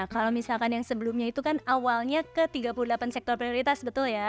kalau misalkan yang sebelumnya itu kan awalnya ke tiga puluh delapan sektor prioritas betul ya